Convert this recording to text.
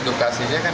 sekali lagi untuk game